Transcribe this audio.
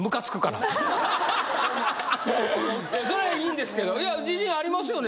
それはいいんですけどいや自信ありますよね